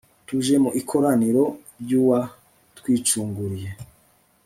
tuje mu ikoraniro ry'uwatwicunguriye